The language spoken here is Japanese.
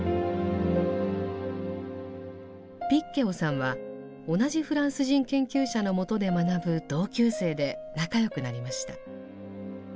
ピッ・ケオさんは同じフランス人研究者のもとで学ぶ同級生で仲良くなりました。